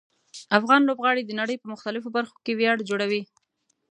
افغان لوبغاړي د نړۍ په مختلفو برخو کې ویاړ جوړوي.